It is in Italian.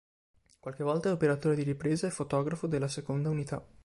Qualche volta è operatore di ripresa e fotografo della seconda unità.